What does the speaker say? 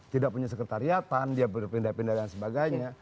tidak punya sekretariatan dia berpindah pindah dan sebagainya